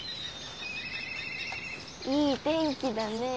いい天気だねえ。